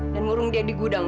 dan ngurung dia di gudang